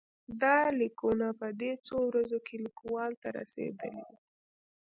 دا لیکونه په دې څو ورځو کې لیکوال ته رسېدلي وو.